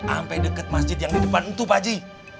ampe deket masjid yang di depan itu paji